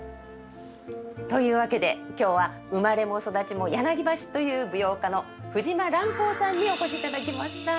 というわけで今日は生まれも育ちも柳橋という舞踊家の藤間蘭黄さんにお越しいただきました。